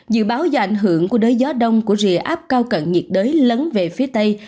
dự báo do ảnh hưởng của đới gió đông của rìa áp cao cận nhiệt đới lấn về phía tây